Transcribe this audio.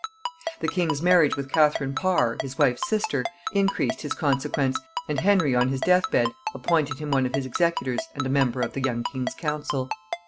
The king's marriage with Catherine Parr, his wife's sister, increased his consequence, and Henry on his death bed appointed him one of his executors and a member of the young king's council.